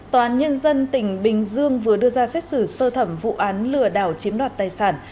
tòa án nhân dân tỉnh bình dương vừa đưa ra xét xử sơ thẩm vụ án lừa đảo chiếm đoạt tài sản